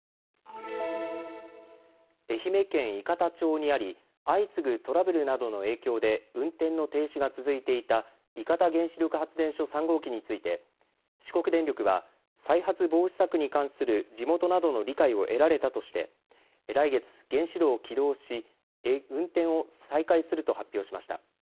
愛媛県伊方町にあり相次ぐトラブルなどの影響で運転の停止が続いていた伊方原子力発電所３号機について四国電力は再発防止策に関する地元などの理解を得られたとして来月、原子炉を起動し運転を再開すると発表しました。